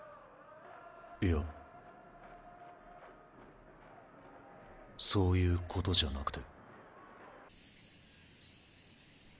いやそういう事じゃなくて。